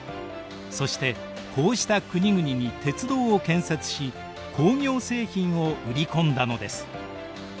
そしてこうした国々に鉄道を建設し工業製品を売り込んだのです。